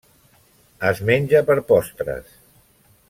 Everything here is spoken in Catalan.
Es menja per postres.